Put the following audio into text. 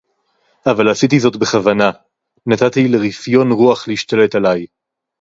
אבל עשיתי זאת בכוונה. נתתי לרפיון־רוח להשתלט עליי.